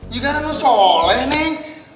juga anaknya soleh neng